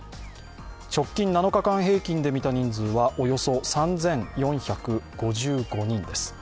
直近７日間平均で見た人数はおよそ３４５５人です。